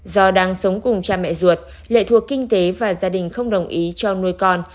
do đang sống cùng cha mẹ ruột lệ thuộc kinh tế và gia đình không đồng ý cho nuôi con